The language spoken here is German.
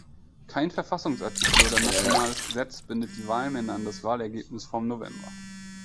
Kein Verfassungsartikel oder nationales Gesetz bindet die Wahlmänner an das Wahlergebnis vom November.